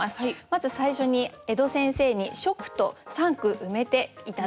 まず最初に江戸先生に初句と三句埋めて頂いております。